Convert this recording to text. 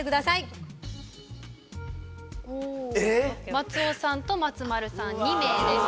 松尾さんと松丸さん２名です。